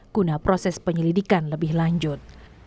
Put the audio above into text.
guna proses penyelidikan lebih lanjut